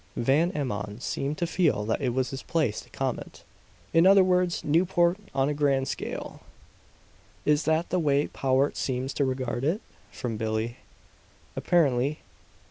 Van Emmon seemed to feel that it was his place to comment. "In other words, Newport on a grand scale!" "Is that the way Powart seems to regard it?" from Billie. "Apparently.